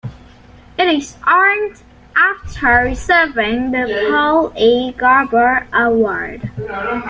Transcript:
It is earned after receiving the Paul E. Garber Award.